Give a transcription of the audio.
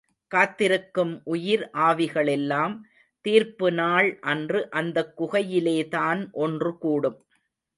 காத்திருக்கும் உயிர் ஆவிகளெல்லாம் தீர்ப்புநாள் அன்று அந்தக் குகையிலேதான் ஒன்று கூடும்.